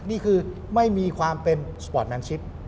นี่คือไม่มีความเป็นสปอร์ตแมนชิป